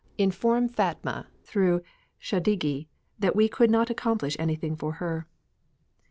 Inform Fatma through Chadigi that we could not accomplish anything for her."